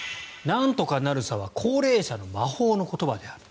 「なんとかなるさは幸齢者の魔法の言葉」である。